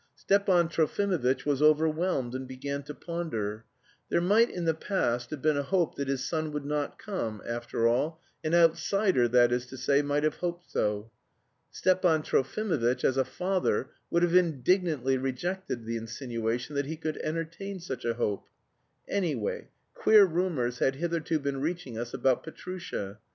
Stepan Trofimovitch was overwhelmed, and began to ponder. There might in the past have been a hope that his son would not come, after all an outsider, that is to say, might have hoped so. Stepan Trofimovitch as a father would have indignantly rejected the insinuation that he could entertain such a hope. Anyway queer rumours had hitherto been reaching us about Petrusha.